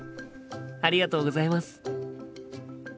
ありがとうございます。